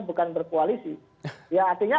bukan berkoalisi ya artinya